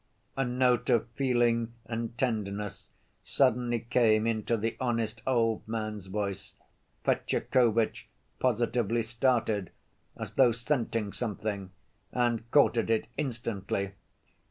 A note of feeling and tenderness suddenly came into the honest old man's voice. Fetyukovitch positively started, as though scenting something, and caught at it instantly.